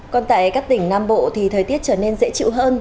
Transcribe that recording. còn tại các tỉnh nam bộ thì thời tiết trở nên dễ chịu hơn